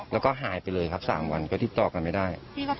แล้วก็หายไปเลยครับ๓วันก็ติดต่อกันไม่ได้